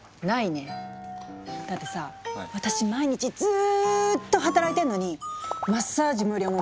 だってさ私毎日ずっと働いてるのにマッサージ無料も！